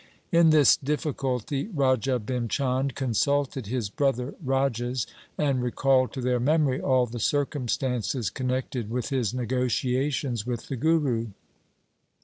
In this difficulty Raja Bhim Chand consulted his brother rajas, and recalled to their memory all the circumstances connected with his negotiations with the Guru.